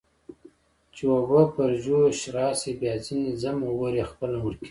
چې اوبه پر جوش راشي، بیا ځنې ځم، اور یې خپله مړ کېږي.